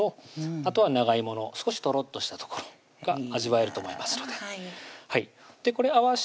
あとは長いもの少しとろっとしたところが味わえると思いますのでこれ合わし